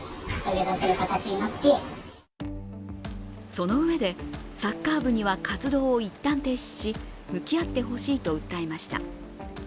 そのうえで、サッカー部には活動を一旦停止し、向き合ってほしいと訴えました。